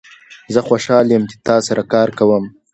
زه خوشحال یم چې تاسو سره کار کوم.